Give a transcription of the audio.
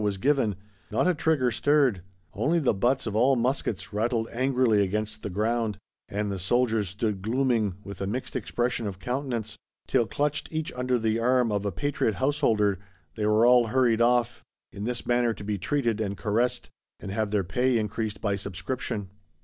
was given,—not a trigger stirred; only the butts of all muskets rattled angrily against the ground; and the soldiers stood glooming, with a mixed expression of countenance;—till clutched "each under the arm of a patriot householder," they were all hurried off, in this manner, to be treated and caressed, and have their pay increased by subscription!